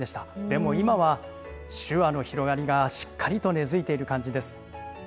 でも今は、手話の広がりがしっかりと根付いている感じです。